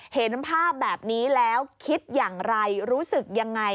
เห็นภาพแบบนี้แล้วคิดอย่างไรรู้สึกยังไง